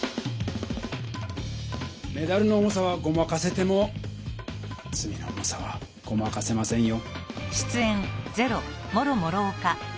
メダルの重さはごまかせてもつみの重さはごまかせませんよ。